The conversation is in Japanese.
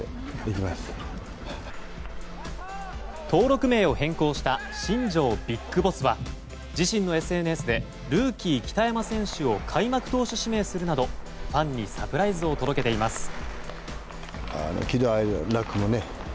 登録名を変更した新庄ビッグボスは自身のＳＮＳでルーキー北山選手を開幕投手指名するなど、ファンにサプライズを届けています。